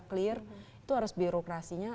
clear itu harus birokrasinya